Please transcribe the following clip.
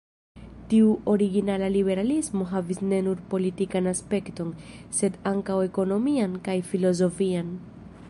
Tiu originala liberalismo havis ne nur politikan aspekton, sed ankaŭ ekonomian kaj filozofian.